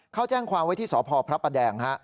เขาแจ้งความไว้ที่สพพระประแดง